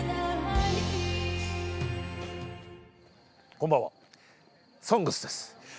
こんばんは「ＳＯＮＧＳ」です。